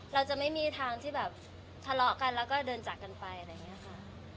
เราจะไม่มีทางที่แบบทะเลาะกันแล้วก็เดินจากกันไปอะไรอย่างนี้ค่ะ